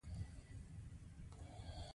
مثبت اړخونه تر پوښتنې لاندې راوستل.